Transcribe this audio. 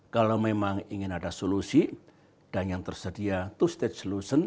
kalau memang ingin ada solusi dan yang tersedia to state solution